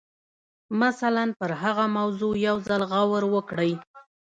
مثلاً پر هغه موضوع یو ځل غور وکړئ